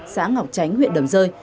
xã ngọc chánh huyện đầm rơi